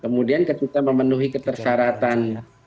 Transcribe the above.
kemudian ketika memenuhi ketersaratan